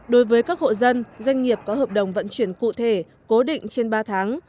đối với các hộ dân doanh nghiệp có hợp đồng vận chuyển cụ thể cố định trên ba tháng